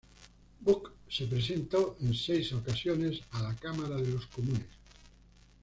Buck se presentó en seis ocasiones a la Cámara de los Comunes.